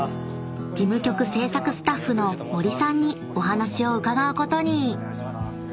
［事務局制作スタッフの森さんにお話を伺うことに］